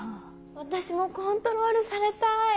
私もコントロールされたい！